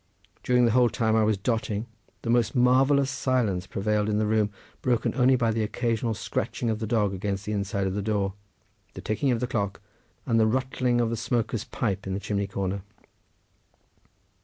During the whole time I was dotting the most marvellous silence prevailed in the room, broken only by the occasional scratching of the dog against the inside of the door, the ticking of the clock, and the ruttling of the smoker's pipe in the chimney corner.